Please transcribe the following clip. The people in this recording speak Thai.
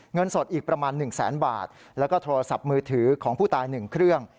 เงินสดอีกประมาณ๑แสนบาทแล้วก็โทรศัพท์มือถือของผู้ตาย๑เครื่อง